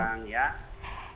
terima kasih bang